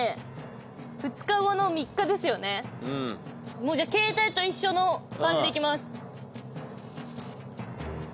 もうじゃあ携帯と一緒の感じでいきます。